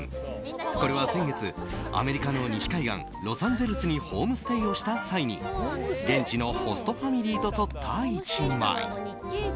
これは先月、アメリカの西海岸ロサンゼルスにホームステイをした際に現地のホストファミリーと撮った１枚。